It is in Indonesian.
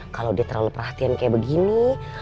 kalau dia terlalu perhatian kayak begini